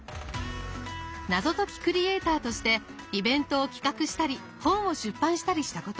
謎解きクリエイターとしてイベントを企画したり本を出版したりしたこと。